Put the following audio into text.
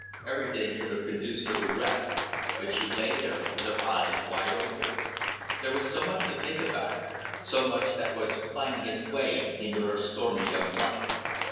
Everything should have conduced to rest, but she lay there with her eyes wide open. There was so much to think about, so much that was new finding its way into her stormy young life.